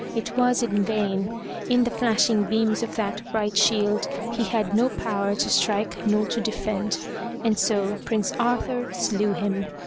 It was in vain. In the flashing beams of that bright shield he had no power to strike nor to defend. And so Prince Arthur slew him.